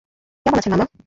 কেমন আছেন মামা?